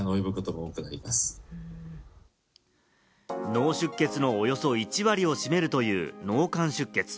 脳出血のおよそ１割を占めるという脳幹出血。